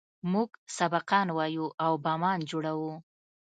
موږ سبقان وايو او بمان جوړوو.